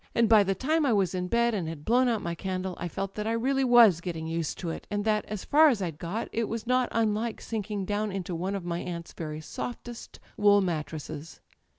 And by the time I was in bed, and had blown out my candle, I felt that I really was getting used to it, and that, as far as I'd got, it was not unlike sinking down into one of my aunt's very softest wool mattresses.